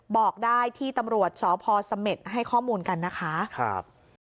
บอกได้ที่ตำรวจชพสมมติให้ข้อมูลกันนะคะ